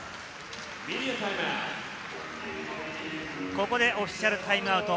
ここでオフィシャルタイムアウト。